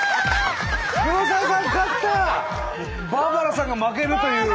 バーバラさんが負けるという。